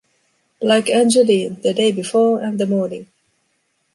Like Angeline, the day before and the morning.